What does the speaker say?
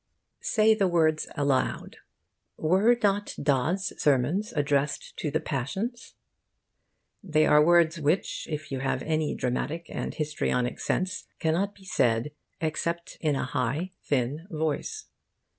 Say the words aloud: 'Were not Dodd's sermons addressed to the passions?' They are words which, if you have any dramatic and histrionic sense, cannot be said except in a high, thin voice.